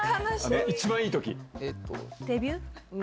一番いいとき？